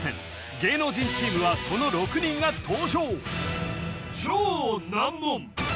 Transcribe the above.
芸能人チームはこの６人が登場